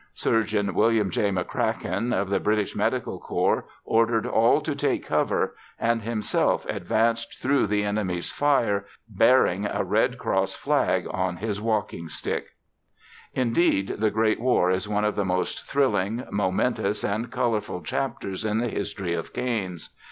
Surgeon William J. McCracken of the British Medical Corps ordered all to take cover, and himself advanced through the enemy's fire, bearing a Red Cross flag on his walking stick." Indeed, the Great War is one of the most thrilling, momentous and colourful chapters in the history of canes.